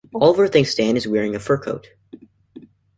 Oliver thinks Stan is wearing a fur coat.